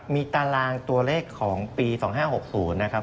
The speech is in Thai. มีตารางตัวเลขของปี๒๕๖๐นะครับ